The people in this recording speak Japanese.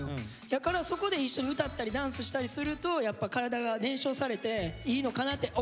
やからそこで一緒に歌ったりダンスしたりするとやっぱ体が燃焼されていいのかなって思いますね！